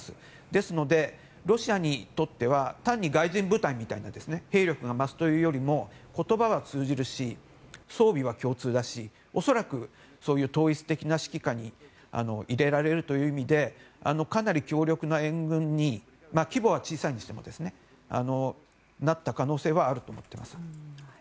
ですので、ロシアにとっては単に外人部隊みたいに兵力が増すというよりも言葉が通じるし、装備は共通だし恐らく、統一的な指揮下に入れられるという意味でかなり強力な援軍に規模は小さいにしてもなった可能性はあると思っています。